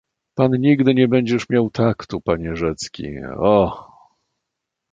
"Pan nigdy nie będziesz miał taktu, panie Rzecki... O!"